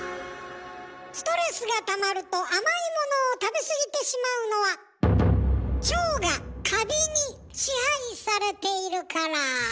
ストレスがたまると甘いものを食べ過ぎてしまうのは腸がカビに支配されているから。